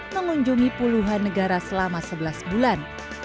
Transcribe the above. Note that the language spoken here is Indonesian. mengunjungi puluhan negara selama sebelas bulan